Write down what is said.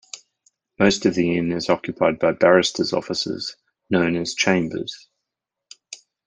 Most of the Inn is occupied by barristers' offices, known as chambers.